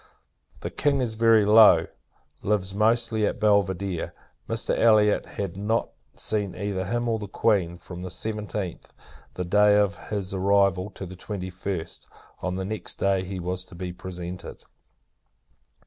The King is very low; lives, mostly, at Belvidere. Mr. Elliot had not seen either him or the Queen, from the seventeenth, the day of his arrival, to the twenty first. On the next day, he was to be presented.